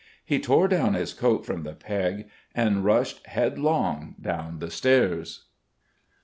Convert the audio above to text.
He tore down his coat from the peg and rushed headlong down the stairs.